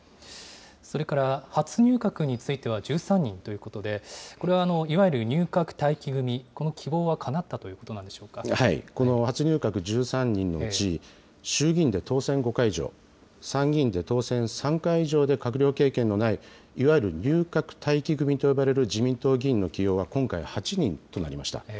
それから、初入閣については１３人ということで、これはいわゆる入閣待機組、この希望はかなったということなんでこの初入閣１３人のうち、衆議院で当選５回以上、参議院で当選３回以上で閣僚経験のない、いわゆる入閣待機組と呼ばれる自民党議員の起用は今回８人となりました。